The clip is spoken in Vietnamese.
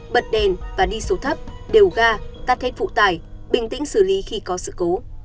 bật đèn và đi số thấp đều ga tắt hết phụ tải bình tĩnh xử lý khi có sự cố